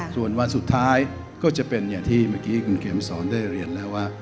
ส่วนวันสุดท้ายก็จะเป็นอย่างที่เมื่อกี้คุณเข็มสอนได้เรียนแล้วว่า